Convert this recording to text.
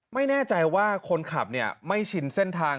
ไม่แน่ใจว่าคนขับไม่ชินเส้นทาง